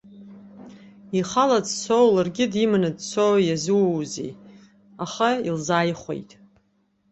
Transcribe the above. Ихала дцоу, ларгьы диманы дцоу иазууазеи, аха илзааихәеит.